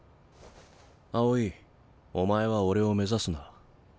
青井お前は俺を目指すな。